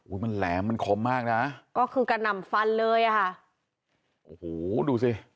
มันแหลมมันคมมากน่ะก็คือกระหน่ำฟันเลยอ่ะค่ะโอ้โหดูสิ